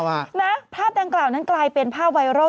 นะภาพดังกล่าวนั้นกลายเป็นภาพไวรัล